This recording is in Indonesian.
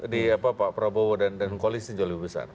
di pak prabowo dan koalisi jauh lebih besar